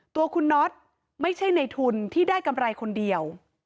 ตัวคุณน็อตไม่ใช่ในทุนที่ได้กำไรคนเดียว